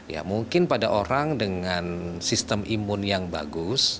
ya mungkin pada orang dengan sistem imun yang bagus